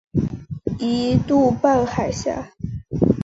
一度半海峡。